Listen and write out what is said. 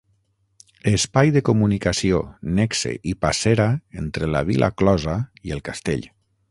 Espai de comunicació, nexe i passera entre la vila closa i el castell.